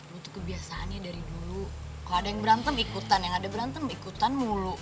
butuh kebiasaannya dari dulu kalau ada yang berantem ikutan yang ada berantem ikutan mulu